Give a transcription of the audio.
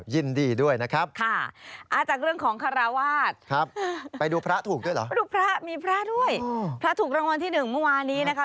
ยินดีด้วยนะครับจากเรื่องของคาราวาสไปดูพระถูกด้วยเหรอพระถูกรางวัลที่๑มัวานี้นะคะ